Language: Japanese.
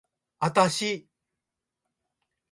あたし